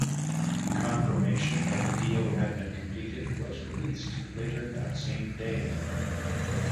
Confirmation that the deal had been completed was released later that same day.